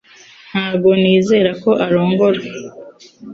Ntabwo nizera ko arongora